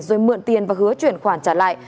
rồi mượn tiền và hứa chuyển khoản trả lại